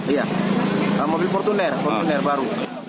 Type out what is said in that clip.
iya mobil portuner baru